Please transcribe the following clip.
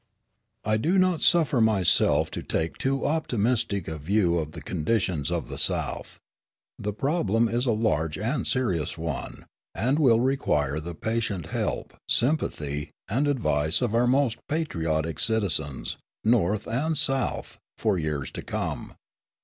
I do not suffer myself to take too optimistic a view of the conditions in the South. The problem is a large and serious one, and will require the patient help, sympathy, and advice of our most patriotic citizens, North and South, for years to come.